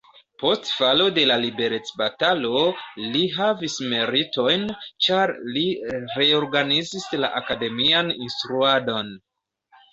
Post falo de la liberecbatalo li havis meritojn, ĉar li reorganizis la akademian instruadon.